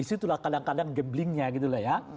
itulah kadang kadang geblingnya gitu ya